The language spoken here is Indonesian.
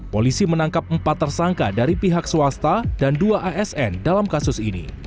polisi menangkap empat tersangka dari pihak swasta dan dua asn dalam kasus ini